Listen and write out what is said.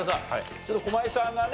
ちょっと駒井さんがね